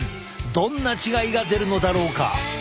どんな違いが出るのだろうか。